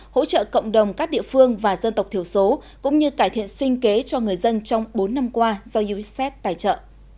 hỗ trợ cộng đồng các địa phương và dân tộc thiểu số cũng như cải thiện sinh kế cho người dân trong bốn năm qua do uced tài trợ